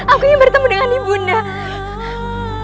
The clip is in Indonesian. aku yang bertemu dengan ibu nara